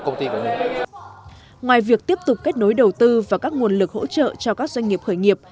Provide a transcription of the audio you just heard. ngoài việc tiếp tục kết nối đầu tư và các nguồn lực hỗ trợ cho các doanh nghiệp khởi nghiệp